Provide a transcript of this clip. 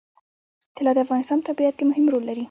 طلا د افغانستان په طبیعت کې مهم رول لري.